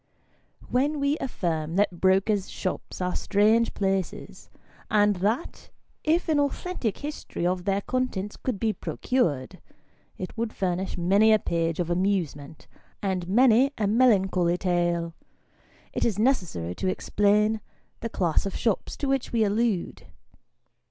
WHEN we affirm that brokers' shops are strange places, and that if an authentic history of their contents could be procured, it would furnish many a page of amusement, and many a melancholy tale, it is necessary to explain the class of shops to which we allude.